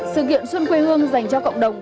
sự kiện xuân quê hương dành cho cộng đồng